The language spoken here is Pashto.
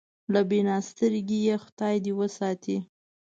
له بینا سترګېه خدای دې وساتي.